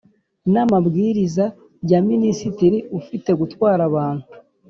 N amabwiriza ya minisitiri ufite gutwara abantu